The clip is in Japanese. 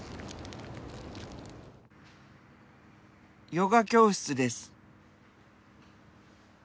ヨガ教室です。